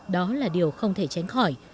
đó là điều không thể tránh khỏi